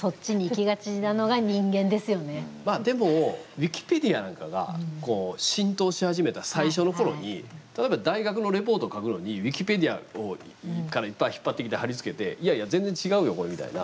ウィキペディアなんかが浸透し始めた最初のころに例えば、大学のレポート書くのにウィキペディアから、いっぱい引っ張ってきて、貼り付けて全然、違うよ、これみたいな。